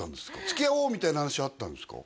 つきあおうみたいな話はあったんですか？